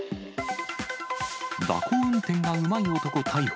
蛇行運転がうまい男逮捕。